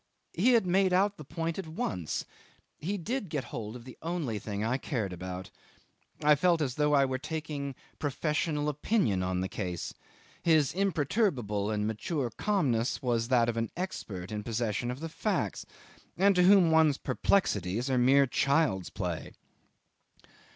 He had made out the point at once: he did get hold of the only thing I cared about. I felt as though I were taking professional opinion on the case. His imperturbable and mature calmness was that of an expert in possession of the facts, and to whom one's perplexities are mere child's play.